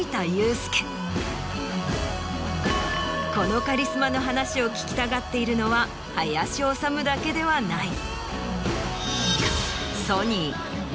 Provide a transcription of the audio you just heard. このカリスマの話を聞きたがっているのは林修だけではない。